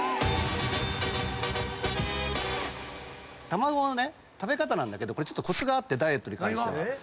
卵は食べ方なんだけどちょっとコツがあってダイエットに関しては。